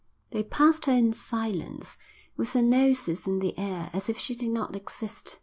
They passed her in silence, with their noses in the air, as if she did not exist.